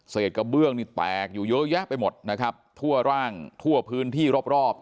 กระเบื้องนี่แตกอยู่เยอะแยะไปหมดนะครับทั่วร่างทั่วพื้นที่รอบรอบ